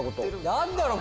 何だろう？